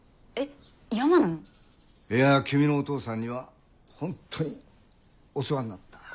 いや君のお父さんには本当にお世話になった。